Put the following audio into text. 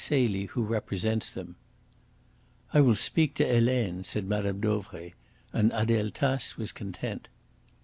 Celie who represents them." "I will speak to Helene," said Mme. Dauvray, and Adele Tace was content.